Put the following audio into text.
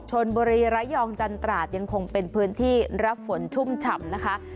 ชนบุรีระยองจันตราดยังคงเป็นพื้นที่รับฝนชุ่มฉ่ำนะคะ